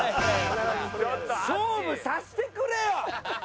勝負させてくれよ！